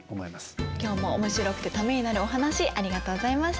今日もおもしろくてためになるお話ありがとうございました。